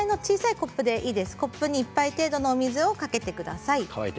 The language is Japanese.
コップ１杯程度の水をかけてください。